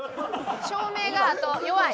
照明があと弱い。